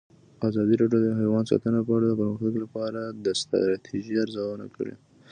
ازادي راډیو د حیوان ساتنه په اړه د پرمختګ لپاره د ستراتیژۍ ارزونه کړې.